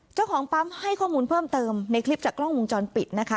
เจ้าของปั๊มให้ข้อมูลเพิ่มเติมในคลิปจากกล้องวงจรปิดนะคะ